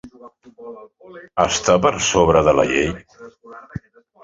Està per sobre de la llei?